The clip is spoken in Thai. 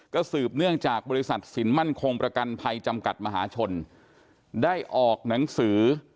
ก็สืบเนื่องจากบริษัทสินมั่นคงประกันภัยจำกัดมหาชนได้ออกหนังสือ